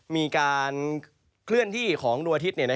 มีการเคลื่อนที่ของดวงอาทิตย์